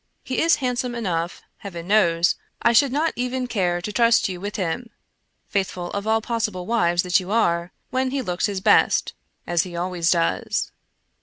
He is handsome enough, heaven knows ; I should not even care to trust you with him — faithful of all possible wives that you are — when he looks his best, as he always does.